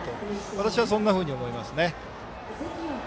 私はそんなふうに思います。